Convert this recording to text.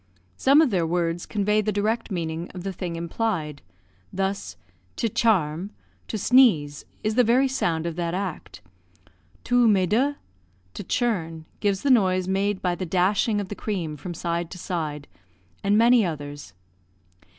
Some of their words convey the direct meaning of the thing implied thus, che charm, "to sneeze," is the very sound of that act; too me duh, "to churn," gives the noise made by the dashing of the cream from side to side; and many others.